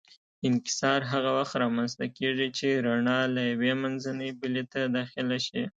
انکسار هغه وخت رامنځته کېږي چې رڼا له یوې منځنۍ بلې ته داخله شي.